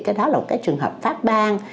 cái đó là một cái trường hợp phát ban